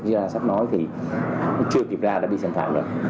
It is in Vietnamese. nhưng ra sách nói thì chưa kịp ra đã bị xâm phạm rồi